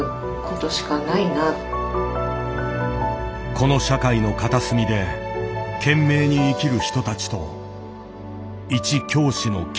この社会の片隅で懸命に生きる人たちといち教師の記録。